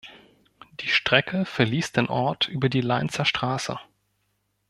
Die Strecke verließ den Ort über die Lainzer Straße.